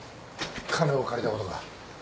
金を借りたことか？